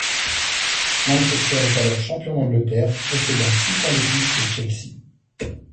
Manchester est alors champion d'Angleterre, possédant six points de plus que Chelsea.